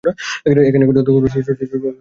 এখানে যত কবর আছে সবই আমার প্রেমাস্পদ মালিকের কবর।